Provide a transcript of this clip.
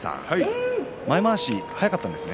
前まわし、早かったですね。